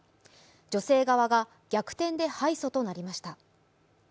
女性側が逆転で敗訴となりました。